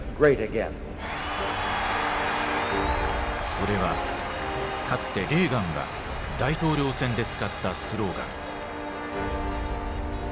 それはかつてレーガンが大統領選で使ったスローガン。